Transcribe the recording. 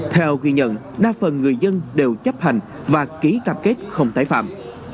theo ghi nhận đa phần người dân đều chấp hành và ký cam kết không tái phạm